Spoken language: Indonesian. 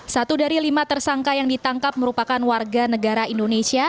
satu dari lima tersangka yang ditangkap merupakan warga negara indonesia